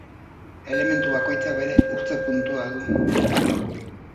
Elementu bakoitzak bere urtze-puntua du.